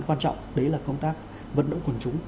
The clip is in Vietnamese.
quan trọng đấy là công tác vận động quần chúng